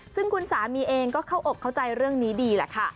ซึ่งคุณสามีเองก็เข้าอกเข้าใจเรื่องนี้ดีแหละค่ะ